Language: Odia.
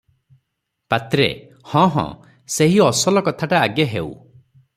ପାତ୍ରେ- ହଁ ହଁ, ସେହି ଅସଲ କଥାଟା ଆଗେ ହେଉ ।